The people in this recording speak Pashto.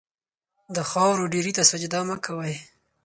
د خاورو ډېري ته سجده مه کوئ.